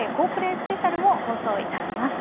スペシャルも放送いたします。